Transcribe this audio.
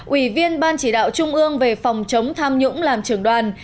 ủy viên ban chỉ đạo trung ương về phòng chống tham nhũng làm trưởng đoàn